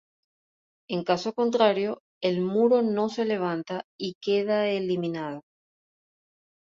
En caso contrario, el muro no se levanta y queda eliminado.